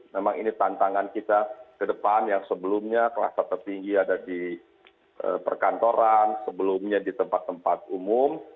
memang ini tantangan kita ke depan yang sebelumnya kluster tertinggi ada di perkantoran sebelumnya di tempat tempat umum